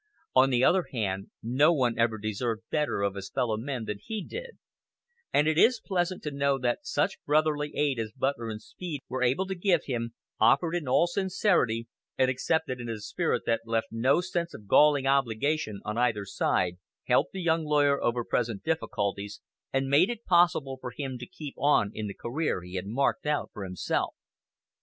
On the other hand, no one ever deserved better of his fellow men than he did; and it is pleasant to know that such brotherly aid as Butler and Speed were able to give him, offered in all sincerity and accepted in a spirit that left no sense of galling obligation on either side, helped the young lawyer over present difficulties and made it possible for him to keep on in the career he had marked out for himself.